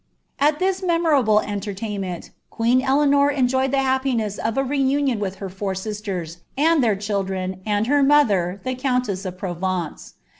' At this memorable entertainment, queen Eleanor enjoyed the happi ness of a reunion with her four sisters, and their children, and her mother, the countess of Provence.